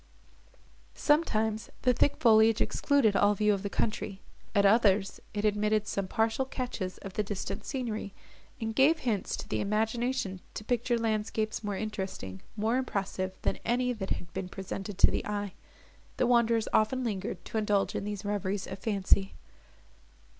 Sometimes, the thick foliage excluded all view of the country; at others, it admitted some partial catches of the distant scenery, which gave hints to the imagination to picture landscapes more interesting, more impressive, than any that had been presented to the eye. The wanderers often lingered to indulge in these reveries of fancy.